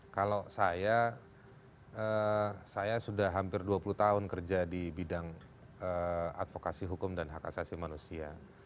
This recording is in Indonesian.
kalau saya saya sudah hampir dua puluh tahun kerja di bidang advokasi hukum dan hak asasi manusia